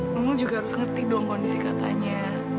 memang juga harus ngerti dong kondisi katanya